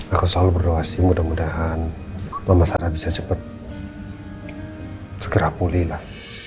aku selalu berdoa sih mudah mudahan mama sarah bisa cepat segera pulih lah